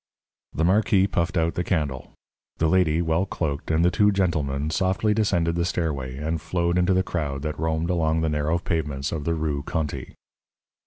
The marquis puffed out the candle. The lady, well cloaked, and the two gentlemen softly descended the stairway and flowed into the crowd that roamed along the narrow pavements of the Rue Conti.